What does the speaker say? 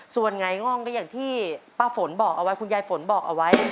ส่วนหงายง่องก็อย่างที่ป้าฝนบอกเอาไว้คุณยายฝนบอกเอาไว้